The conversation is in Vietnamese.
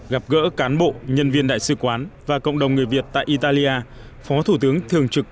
gặp gỡ cán bộ nhân viên đại sứ quán và cộng đồng người việt tại italia phó thủ tướng thường trực